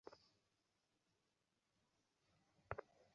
বন্ধুগণ, তোমাদের সহিত আমার শোণিতের সম্বন্ধ, তোমাদের জীবনে মরণে আমার জীবনমরণ।